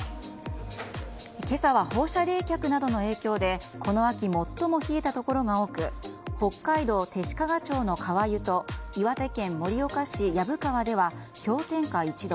今朝は放射冷却などの影響でこの秋最も冷えたところが多く北海道弟子屈町の川湯と岩手県盛岡市薮川では氷点下１度。